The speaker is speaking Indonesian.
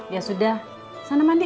ya sudah sana mandi